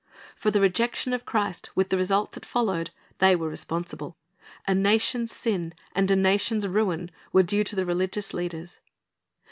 For the rejection of Christ, with the results that followed, they were responsible. A nation's sin and a nation's ruin were due to the religious leaders.